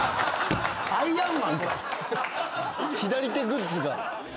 左手グッズが。